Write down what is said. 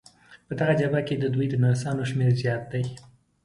په دغه جبهه کې د دوی د نرسانو شمېر زیات دی.